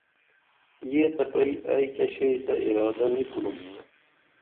یہ تہ پرئی ائی کیہ شئی تہ ادر نی کُنُم